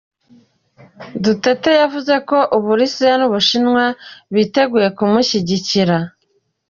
Duterte yavuze ko Uburusiya n’Ubushinwa biteguye kumushigikira.